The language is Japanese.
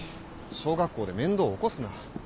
小学校で面倒を起こすな。